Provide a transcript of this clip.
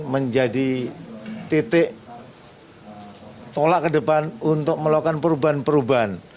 menjadi titik tolak ke depan untuk melakukan perubahan perubahan